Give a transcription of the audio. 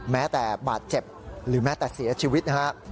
แม้แต่บาดเจ็บหรือแม้แต่เสียชีวิตนะฮะ